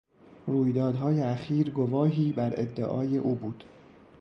رویدادهای اخیر گواهی بر ادعای او بود.